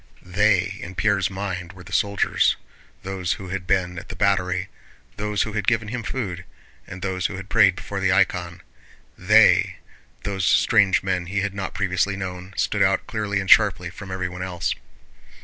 They, in Pierre's mind, were the soldiers, those who had been at the battery, those who had given him food, and those who had prayed before the icon. They, those strange men he had not previously known, stood out clearly and sharply from everyone else.